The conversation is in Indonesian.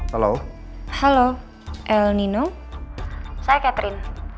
kok bisa berupaya gitu